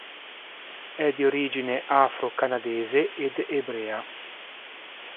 È di origine afro-canadese ed ebrea.